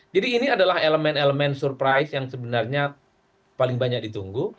jadi ini adalah elemen elemen surprise yang sebenarnya paling banyak ditunggu